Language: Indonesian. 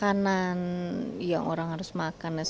pengamat ekonomi universitas pajajaran dian mbak